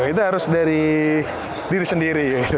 itu harus dari diri sendiri